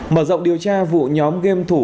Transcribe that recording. mở rộng điều tra vụ nhóm game thủ